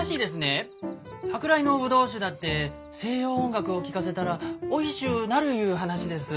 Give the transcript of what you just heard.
舶来のぶどう酒だって西洋音楽を聴かせたらおいしゅうなるいう話です。